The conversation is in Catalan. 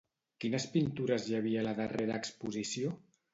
Quines pintures hi havia a la darrera exposició?